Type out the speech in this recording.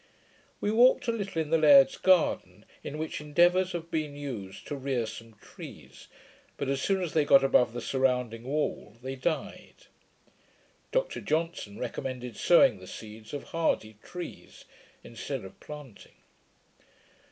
We walked a little in the laird's garden, in which endeavours have been used to rear some trees; but, as soon as they got above the surrounding wall, they died. Dr Johnson recommended sowing the seeds of hardy trees, instead of planting.